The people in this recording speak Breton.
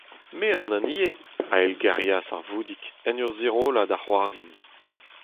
Me an hini eo, a eilgerias ar voudig en ur zirollañ da c'hoarzhin.